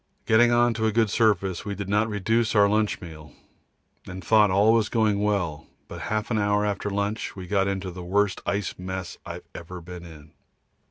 Getting on to a good surface we did not reduce our lunch meal, and thought all going well, but half an hour after lunch we got into the worst ice mess I have ever been in.